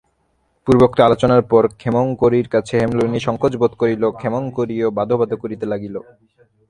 পূর্বোক্ত আলোচনার পর ক্ষেমংকরীর কাছে হেমনলিনী সংকোচ বোধ করিল, ক্ষেমংকরীও বাধো-বাধো করিতে লাগিল।